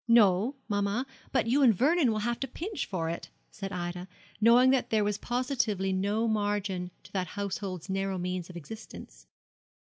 'No, mamma, but you and Vernon will have to pinch for it,' said Ida, knowing that there was positively no margin to that household's narrow means of existence.